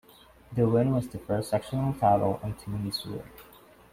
The win was the first sectional title in team history.